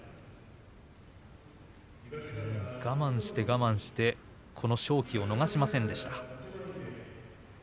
我慢して我慢して勝機を逃しませんでした